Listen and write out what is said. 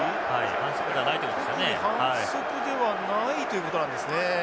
反則ではないということなんですね。